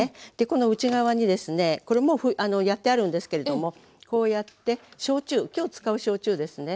この内側にですねこれもうやってあるんですけれどもこうやって焼酎今日使う焼酎ですね。